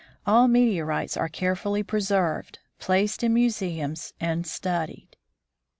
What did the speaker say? All meteorites are carefully preserved, placed in museums, and studied.